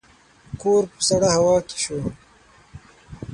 کور په سړه هوا کې شو.